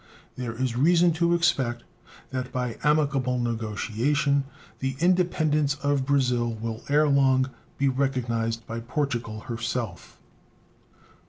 There is reason to expect that by amicable negotiation the independence of Brazil will ere long be recognized by Portugal herself.